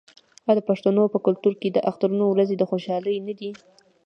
آیا د پښتنو په کلتور کې د اخترونو ورځې د خوشحالۍ نه دي؟